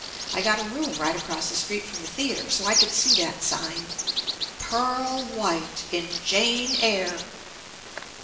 I got a room right across the street from the theatre so I could see that sign "Pearl White in Jane Eyre."